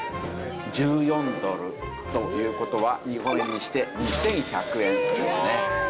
１４ドルという事は日本円にして２１００円ですね。